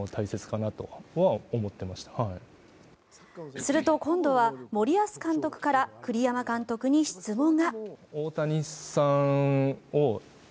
すると今度は森保監督から栗山監督に質問が。